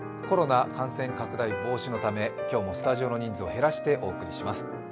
コロナ感染拡大防止のため、今日もスタジオの人数を減らしてお送りします。